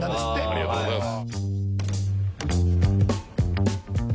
ありがとうございます。